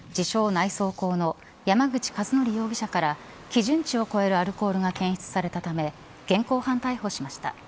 内装工の山口一徳容疑者から基準値を超えるアルコールが検出されたため現行犯逮捕しました。